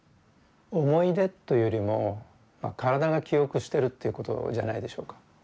思い出というよりも体が記憶してるということじゃないでしょうか。